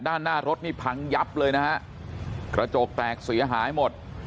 ด้านหน้ารถนี่พังยับเลยนะฮะกระจกแตกเสียหายหมด